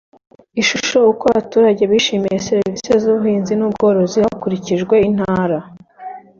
ishusho uko abaturage bishimiye serivisi z ubuhinzi n ubworozi hakurikijwe intara